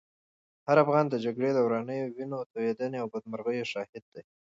هر افغان د جګړې د ورانیو، وینو تویېدو او بدمرغیو شاهد دی.